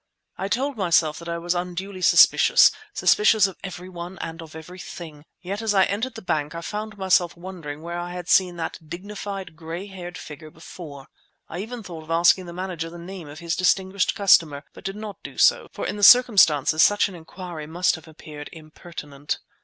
I told myself that I was unduly suspicious, suspicious of everyone and of everything; yet as I entered the bank I found myself wondering where I had seen that dignified, grayhaired figure before. I even thought of asking the manager the name of his distinguished customer, but did not do so, for in the circumstances such an inquiry must have appeared impertinent.